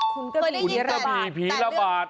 คุณกระบี่ผีระบาดคุณกระบี่ผีระบาด